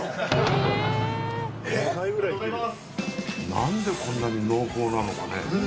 何でこんなに濃厚なのかね。